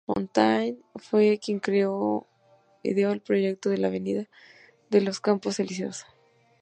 Fontaine fue quien ideó el proyecto de la Avenida de los Campos Elíseos.